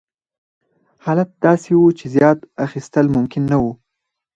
حالت داسې و چې زیات اخیستل ممکن نه وو.